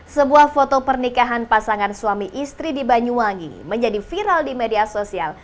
sebuah foto pernikahan pasangan suami istri di banyuwangi menjadi viral di media sosial